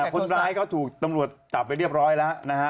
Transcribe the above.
คนร้ายก็ถูกตำรวจจับไปเรียบร้อยแล้วนะฮะ